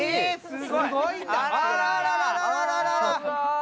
すごい。